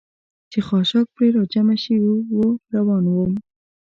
چې خاشاک پرې را جمع شوي و، روان ووم.